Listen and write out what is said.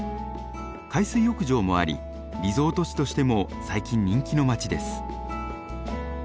海水浴場もありリゾート地としても最近人気の街です。